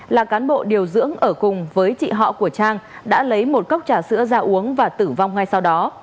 là cán bộ điều dưỡng ở cùng với chị họ của trang đã lấy một cốc trà sữa ra uống và tử vong ngay sau đó